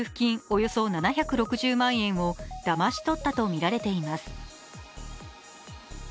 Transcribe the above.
およそ７６０万円をだまし取ったとみられています。